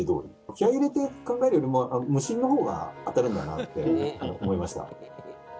気合いを入れて考えるよりも、無心のほうが当たるんだなって思いました。